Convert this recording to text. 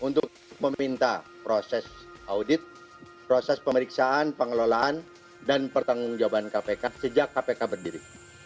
untuk meminta proses audit proses pemeriksaan pengelolaan dan pertanggung jawaban kpk sejak kpk berdiri